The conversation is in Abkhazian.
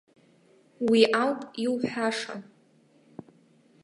Уи ауп иуҳәаша.